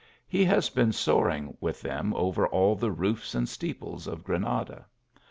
He has been soaring with them over all the roofs and steeples of Granada.